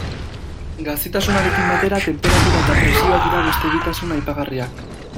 Gazitasunarekin batera, tenperatura eta presioa dira beste bi tasun aipagarriak.